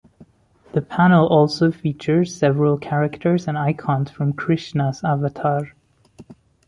The panel also features several characters and icons from Krishna's avatar.